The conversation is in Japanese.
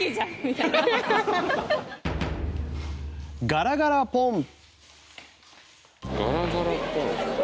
ガラガラポン。